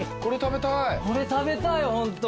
これ食べたいホント。